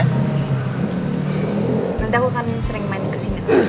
nanti aku kan sering main kesini pak